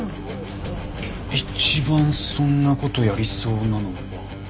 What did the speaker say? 一番そんなことやりそうなのは。